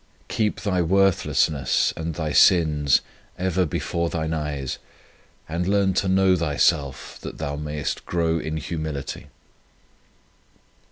Keep thy worthlessness and thy sins ever before thine eyes, and 91 On Union with God learn to know thyself that thou mayest grow in humility.